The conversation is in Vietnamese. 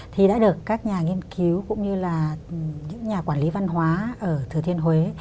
thì đã được các nhà nghiên cứu cũng như là những nhà quản lý văn hóa ở thừa thiên huế